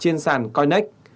trên sàn coinex